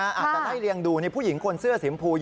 อาจจะไล่เรียงดูผู้หญิงคนเสื้อสีมพู